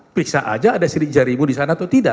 periksa aja ada sidik jarimu disana atau tidak